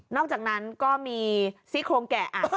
นอกจากนั้นก็มีซีโครงแกะอ่านได้